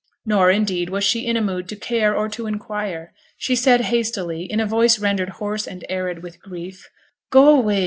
Nor, indeed, was she in a mood to care or to inquire. She said hastily, in a voice rendered hoarse and arid with grief: 'Go away.